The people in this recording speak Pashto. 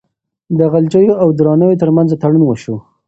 د غلجیو او درانیو ترمنځ تړون وسو.